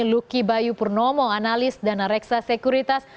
luki bayu purnomo analis dana reksa sekuritas